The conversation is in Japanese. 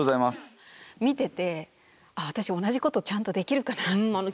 見てて私同じことちゃんとできるかなって。